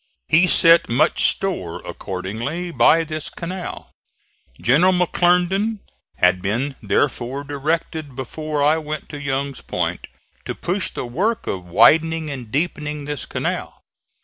He set much store accordingly by this canal. General McClernand had been, therefore, directed before I went to Young's Point to push the work of widening and deepening this canal.